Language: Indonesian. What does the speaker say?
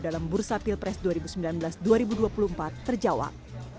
dalam bursa pilpres dua ribu sembilan belas dua ribu dua puluh empat terjawab